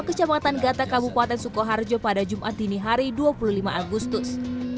kecamatan gata kabupaten sukoharjo pada jumat dini hari dua puluh lima agustus